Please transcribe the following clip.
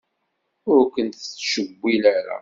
Ur ken-tettcewwil ara.